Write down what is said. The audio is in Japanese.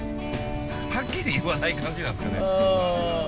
はっきり言わない感じなんですかね？